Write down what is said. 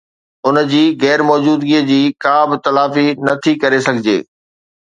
ان جي غير موجودگيءَ جي ڪا به تلافي نه ٿي ڪري سگھجي